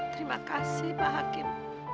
terima kasih pak hakim